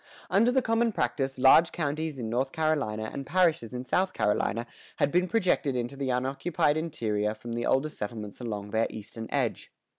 [116:1] Under the common practice, large counties in North Carolina and parishes in South Carolina had been projected into the unoccupied interior from the older settlements along their eastern edge.